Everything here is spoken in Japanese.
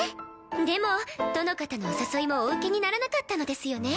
でもどの方のお誘いもお受けにならなかったのですよね？